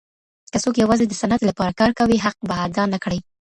که څوک یوازي د سند لپاره کار کوي حق به ادا نه کړي.